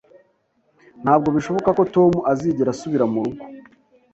Ntabwo bishoboka ko Tom azigera asubira murugo